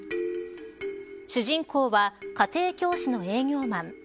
主人公は、家庭教師の営業マン。